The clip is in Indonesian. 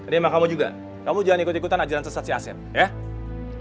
terima kamu juga kamu jangan ikut ikutan ajaran sesat si asean ya